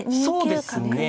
そうですね。